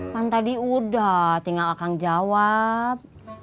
kan tadi udah tinggal akang jawab